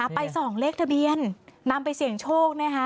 ไปส่องเลขทะเบียนนำไปเสี่ยงโชคนะคะ